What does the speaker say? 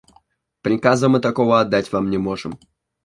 Приказа мы такого отдать Вам не можем.